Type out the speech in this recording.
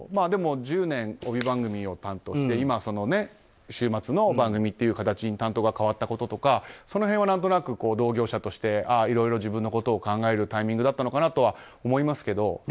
でも１０年、帯番組を担当して今は、週末の番組という形に担当が変わったこととかその辺は何となく同業者としていろいろ自分のことを考えるタイミングだったのかなと思いますけど。